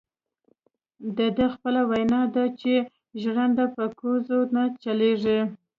دده خپله وینا ده چې ژرنده په کوزو نه چلیږي.